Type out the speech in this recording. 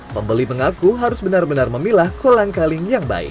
pembeli mengaku harus benar benar memilah kolang kaling yang baik